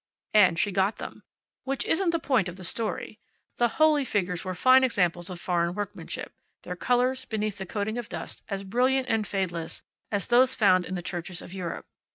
And she got them. Which isn't the point of the story. The holy figures were fine examples of foreign workmanship, their colors, beneath the coating of dust, as brilliant and fadeless as those found in the churches of Europe.